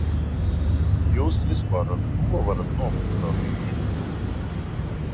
Jūs vispār ar to varat nomaksāt īri?